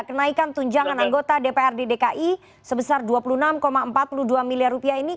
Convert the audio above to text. kenaikan tunjangan anggota dprd dki sebesar dua puluh enam empat puluh dua miliar rupiah ini